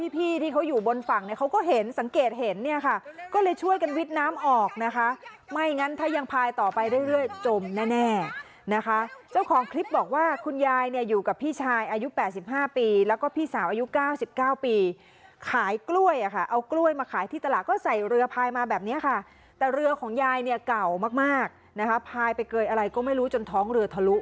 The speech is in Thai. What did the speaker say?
พายไปเกิดอะไรก็ไม่รู้จนท้องเรือทะลุ